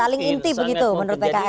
paling inti begitu menurut pks